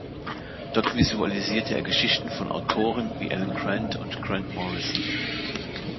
Dort visualisierte er Geschichten von Autoren wie Alan Grant und Grant Morrison.